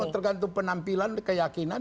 ini tergantung penampilan keyakinan